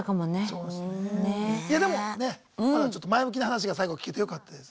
いやでもねまだ前向きな話が最後聞けてよかったです。